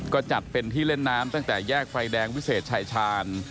ก็จัดเป็นที่เล่นน้ำตั้งแต่แยกไฟแดงวิเศษชายชาญ